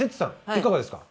いかがですか？